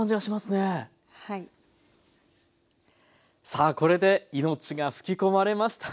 さあこれで命が吹き込まれました。